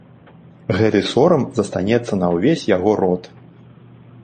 Гэты сорам застанецца на ўвесь яго род.